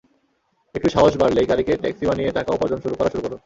একটু সাহস বাড়লেই, গাড়িকে ট্যাক্সি বানিয়ে টাকা উপার্জন করা শুরু করো।